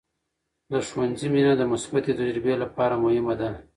د ښوونځي مینه د مثبتې تجربې لپاره مهمه ده.